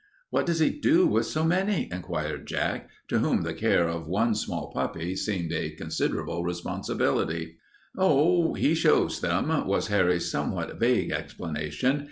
"What does he do with so many?" inquired Jack, to whom the care of one small puppy seemed a considerable responsibility. "Oh, he shows them," was Harry's somewhat vague explanation.